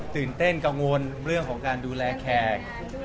ตื่นเต้นกังวลเรื่องของการดูแลแขก